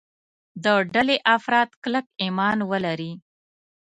د ډلې افراد کلک ایمان ولري.